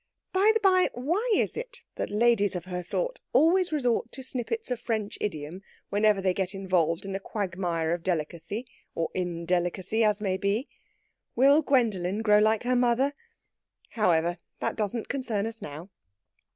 By the bye, why is it that ladies of her sort always resort to snippets of French idiom, whenever they get involved in a quagmire of delicacy or indelicacy, as may be? Will Gwendolen grow like her mother? However, that doesn't concern us now.